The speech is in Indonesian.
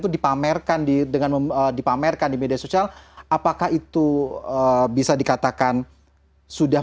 itu dipamerkan di dengan membuat dipamerkan di media socal apakah itu bisa dikatakan sudah